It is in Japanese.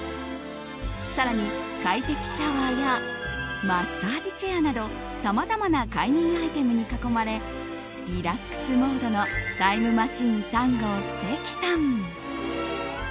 更に、快適シャワーやマッサージチェアなどさまざまな快眠アイテムに囲まれリラックスモードのタイムマシーン３号・関さん。